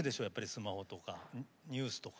スマホとかニュースとか。